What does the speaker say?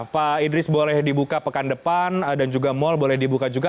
pak idris boleh dibuka pekan depan dan juga mal boleh dibuka juga